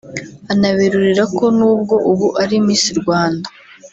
anaberurira ko n’ubwo ubu ari Miss Rwanda